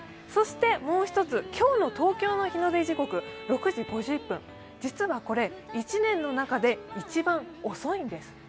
そしてもう一つ、今日の東京の日の出時刻６時５１分、実はこれ、１年の中で一番遅いんです。